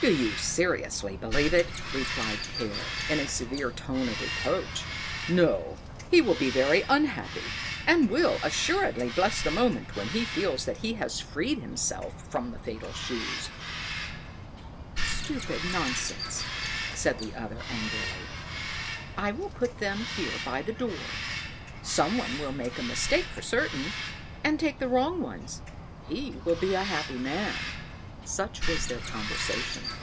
"Do you seriously believe it?" replied Care, in a severe tone of reproach. "No; he will be very unhappy, and will assuredly bless the moment when he feels that he has freed himself from the fatal shoes." "Stupid nonsense!" said the other angrily. "I will put them here by the door. Some one will make a mistake for certain and take the wrong ones he will be a happy man." Such was their conversation.